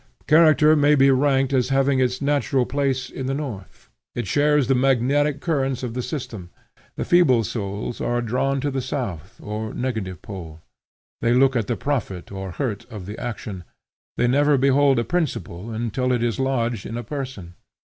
Character may be ranked as having its natural place in the north. It shares the magnetic currents of the system. The feeble souls are drawn to the south or negative pole. They look at the profit or hurt of the action. They never behold a principle until it is lodged in a person.